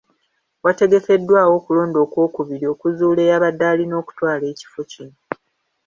Wategekeddwawo okulonda okwokubiri okuzuula eyabadde alina okutwala ekifo kino.